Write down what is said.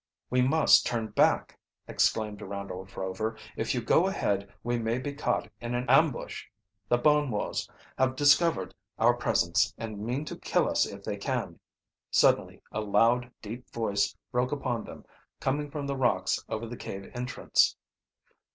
"We must turn back!" exclaimed Randolph Rover. "If you go ahead we may be caught in an ambush. The Bumwos have discovered our presence and mean to kill us if they can!" Suddenly a loud, deep voice broke upon them, coming from the rocks over the cave entrance.